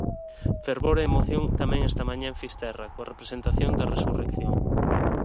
Fervor e emoción tamén esta mañá en Fisterra coa representación da Resurrección.